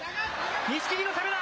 錦木の攻めだ。